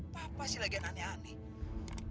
papa sih lagi aneh aneh